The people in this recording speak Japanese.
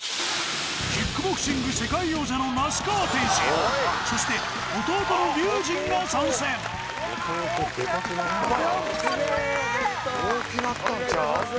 キックボクシング世界王者の那須川天心そして弟の龍心が参戦すげえベルトお願いいたします